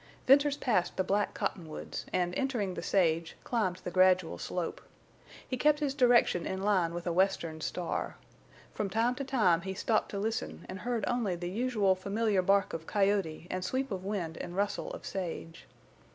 Venters passed the black cottonwoods, and, entering the sage, climbed the gradual slope. He kept his direction in line with a western star. From time to time he stopped to listen and heard only the usual familiar bark of coyote and sweep of wind and rustle of sage.